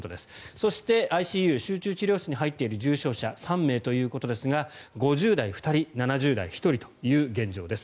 そして、ＩＣＵ・集中治療室に入っている重症者は３名ということですが５０代、２人７０代、１人という現状です。